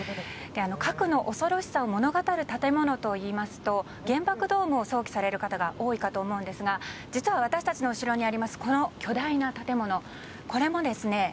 核の恐ろしさを物語る建物と言いますと原爆ドームを想起される方が多いと思いますが実は私たちの後ろにあるこの巨大な建物、これもですね